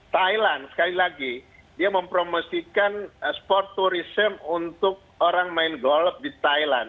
thailand sekali lagi dia mempromosikan sport tourism untuk orang main golf di thailand